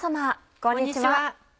こんにちは。